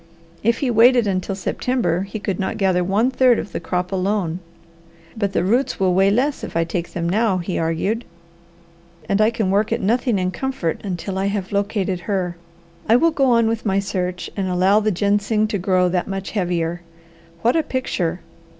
If he waited until September he could not gather one third of the crop alone. "But the roots will weigh less if I take them now," he argued, "and I can work at nothing in comfort until I have located her. I will go on with my search and allow the ginseng to grow that much heavier. What a picture!